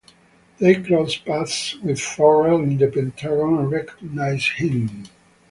They cross paths with Farrell in the Pentagon and recognize him.